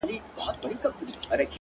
ه بيا دي په سرو سترگو کي زما ياري ده _